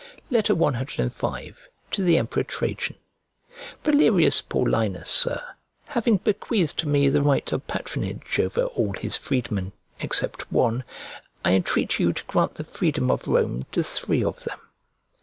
CV To THE EMPEROR TRAJAN VALERIUS PAULINUS, Sir, having bequeathed to me the right of patronage over all his freedmen, except one, I intreat you to grant the freedom of Rome to three of them.